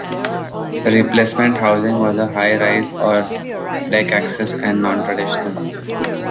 The replacement housing was high rise or deck access and non-traditional.